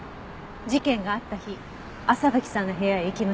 事件があった日朝吹さんの部屋へ行きましたね？